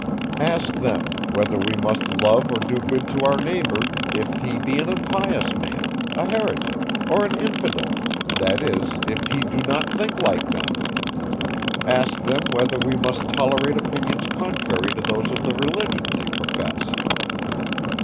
Ask them, whether we must love or do good to our neighbour, if he be an impious man, a heretic, or an infidel, that is, if he do not think like them? Ask them, whether we must tolerate opinions contrary to those of the religion, they profess?